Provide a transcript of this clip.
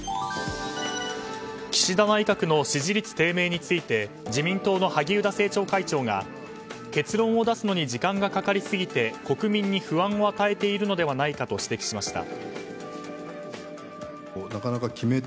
岸田内閣の支持率低迷について自民党の萩生田政調会長が結論を出すのに時間がかかりすぎて国民に不安を与えているのではないかと指摘しました。